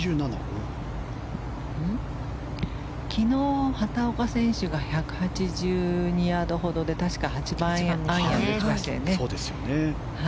昨日、畑岡選手が１８２ヤードほどで確か８番アイアンで打ちましたよね。